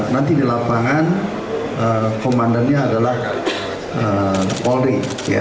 nanti di lapangan komandannya adalah polri